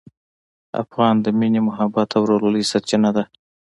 افغان د مینې، محبت او ورورولۍ سرچینه ده.